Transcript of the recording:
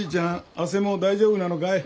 あせも大丈夫なのかい？